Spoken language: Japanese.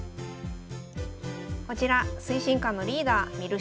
こちら推進課のリーダー。